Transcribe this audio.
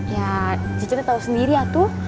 ya cicunya tau sendiri ya tuh